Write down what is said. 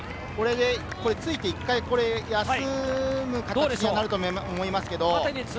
ついて１回休む形になると思いますけれど。